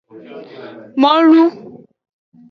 Molu.